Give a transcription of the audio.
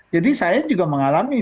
jadi saya juga mengalami